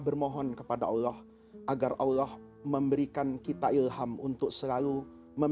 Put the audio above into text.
bermohon kepada allah agar allah memberikan kita ilham untuk selalu memiliki lisanan zakirah mulut